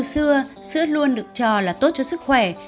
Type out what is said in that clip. xưa sữa luôn được cho là tốt cho sức khỏe